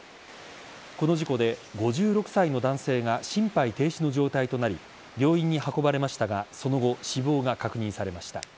この事故で５６歳の男性が心肺停止の状態となり病院に運ばれましたがその後、死亡が確認されました。